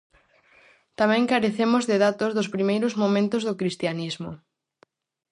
Tamén carecemos de datos dos primeiros momentos do cristianismo.